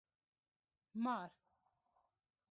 🪱 مار